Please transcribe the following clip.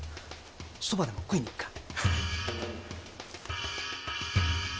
そばでも食いに行くか。